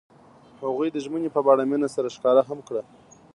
هغوی د ژمنې په بڼه مینه سره ښکاره هم کړه.